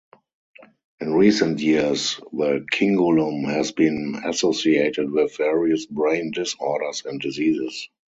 In recent years the cingulum has been associated with various brain disorders and diseases.